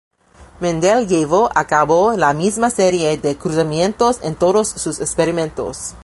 Mendel llevó a cabo la misma serie de cruzamientos en todos sus experimentos.